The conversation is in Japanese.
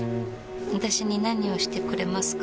私に何をしてくれますか？